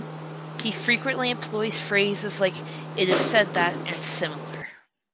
He frequently employs phrases like "it is said that" and similar.